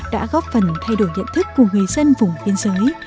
đã góp phần thay đổi nhận thức của người dân vùng biên giới